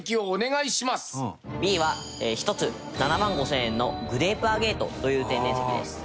Ｂは１つ７万５０００円のグレープアゲートという天然石です。